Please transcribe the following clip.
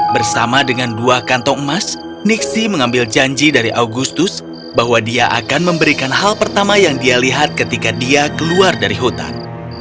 bersama dengan dua kantong emas nixi mengambil janji dari augustus bahwa dia akan memberikan hal pertama yang dia lihat ketika dia keluar dari hutan